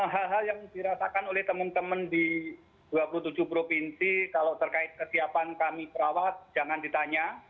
hal hal yang dirasakan oleh teman teman di dua puluh tujuh provinsi kalau terkait kesiapan kami perawat jangan ditanya